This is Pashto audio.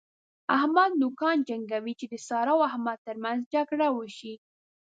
احمد نوکان جنګوي چې د سارا او احمد تر منځ جګړه وشي.